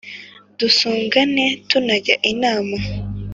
Dusugane tunajya inama